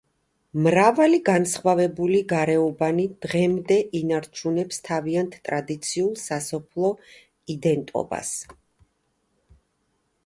მრავალი განსხვავებული გარეუბანი დღემდე ინარჩუნებს თავიანთ ტრადიციულ სასოფლო იდენტობას.